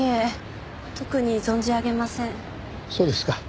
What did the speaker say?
そうですか。